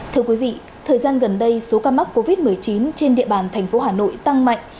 thưa quý vị thời gian gần đây số ca mắc covid một mươi chín trên địa bàn thành phố hà nội tăng mạnh